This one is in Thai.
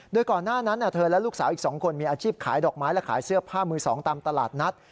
โดยก่อนหน้านั้นเธอและลูกสาวอีก๒คนมีอาชีพขายดอกไม้และขายเสื้อผ้ามือสองตามตลาดนัด